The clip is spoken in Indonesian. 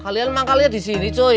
kalian manggalnya disini cuy